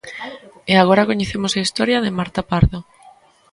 E agora coñecemos a historia de Marta Pardo.